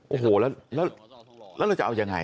โอ้โหแล้วเราจะเอายังไง